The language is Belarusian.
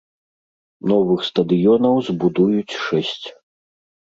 Новых стадыёнаў збудуюць шэсць.